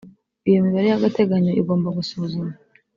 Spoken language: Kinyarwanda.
Iyo mibare y agateganyo igomba gusuzumwa